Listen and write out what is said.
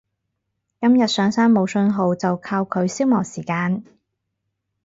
今日上山冇訊號就靠佢消磨時間